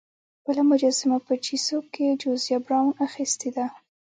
بله مجسمه په چیسوک کې جوزیا براون اخیستې ده.